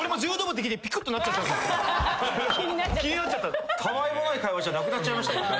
たわいもない会話じゃなくなっちゃいましたもんね。